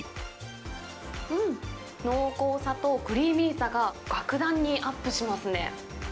濃厚さとクリーミーさが、格段にアップしますね。